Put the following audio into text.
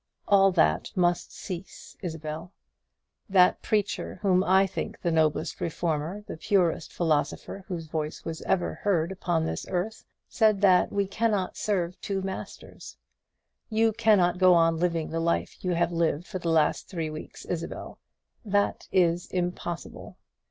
All that must cease, Isabel. That Preacher, whom I think the noblest reformer, the purest philosopher whose voice was ever heard upon this earth, said that we cannot serve two masters. You cannot go on living the life you have lived for the last three weeks, Isabel. That is impossible.